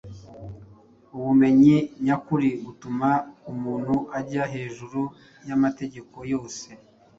ubumenyi nyakuri butuma umuntu ajya hejuru y’amategeko yose